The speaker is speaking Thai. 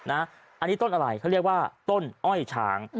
อันนี้ต้นอะไรเขาเรียกว่าต้นอ้อยช้าง